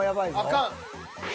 あかん。